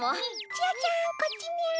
ちあちゃんこっちみゃ！